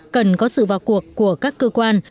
cần có sự vào cuộc của các cơ quan